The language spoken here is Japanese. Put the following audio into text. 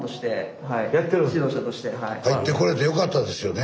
入ってこれてよかったですよね。